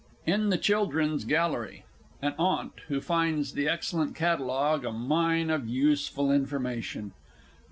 IN THE CHILDREN'S GALLERY. AN AUNT (who finds the excellent Catalogue a mine of useful information).